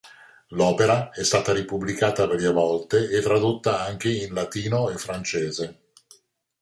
L'opera è stata ripubblicata varie volte e tradotta anche in latino e francese.